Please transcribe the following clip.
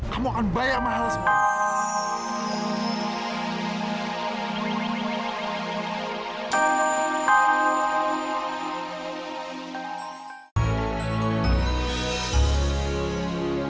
kamu akan bayar mahal sekarang